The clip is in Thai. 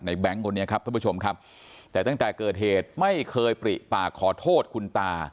แบงค์คนนี้ครับท่านผู้ชมครับแต่ตั้งแต่เกิดเหตุไม่เคยปริปากขอโทษคุณตา